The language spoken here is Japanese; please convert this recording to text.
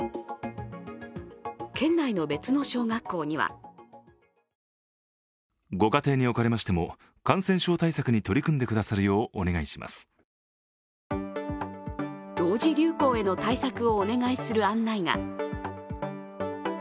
県内の別の小学校には同時流行への対策をお願いする案内が。